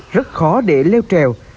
rất khó để leo trèo